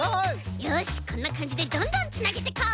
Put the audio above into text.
よしこんなかんじでどんどんつなげてこう！